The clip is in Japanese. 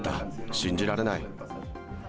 信じられない。